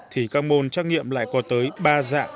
thì các môn trắc nghiệm lại có tới ba dạng